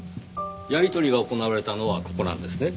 やり取りが行われたのはここなんですね？